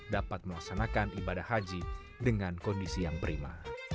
dapat melaksanakan ibadah haji dengan kondisi yang prima